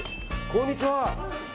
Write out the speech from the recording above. こんにちは。